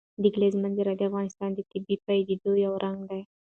د کلیزو منظره د افغانستان د طبیعي پدیدو یو رنګ دی.